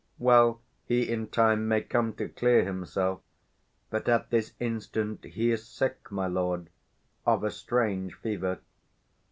P._ Well, he in time may come to clear himself; 150 But at this instant he is sick, my lord, Of a strange fever.